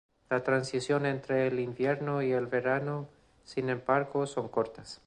La transición entre el invierno y el verano, sin embargo, son cortas.